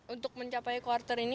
untuk mencapai quarter ini